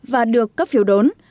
và được cấp phiếu đốn